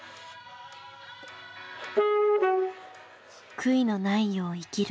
悔いのないよう生きる。